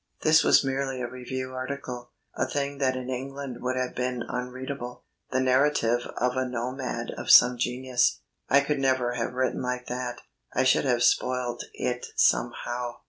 This was merely a review article a thing that in England would have been unreadable; the narrative of a nomad of some genius. I could never have written like that I should have spoilt it somehow.